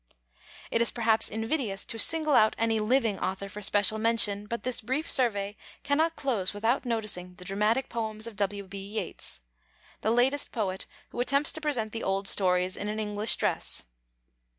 Is it perhaps invidious to single out any living author for special mention, but this brief survey cannot close without noticing the dramatic poems of W.B. Yeats, the latest poet who attempts to present the old stories in an English dress.